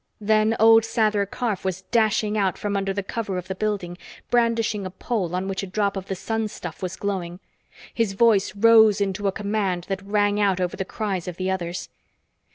Then old Sather Karf was dashing out from under the cover of the building, brandishing a pole on which a drop of the sun stuff was glowing. His voice rose into a command that rang out over the cries of the others.